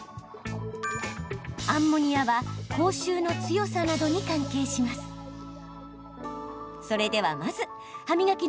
アンモニアは口臭の強さなどに関係します。